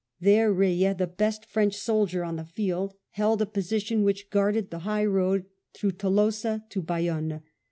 There Reille, the best French soldier on the field, held a position which guarded the high road through Tolosa to Bayonne.